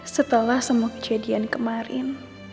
setelah semua kejadian kemarin